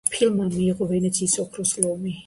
ფილმმა მიიღო ვენეციის ოქროს ლომი.